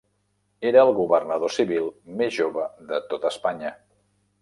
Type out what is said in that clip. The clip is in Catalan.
Era el governador civil més jove de tota Espanya.